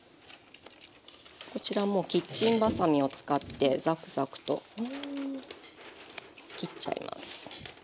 こちらもうキッチンばさみを使ってザクザクと切っちゃいます。